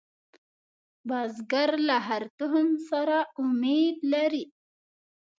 بزګر له هرې تخم سره امید لري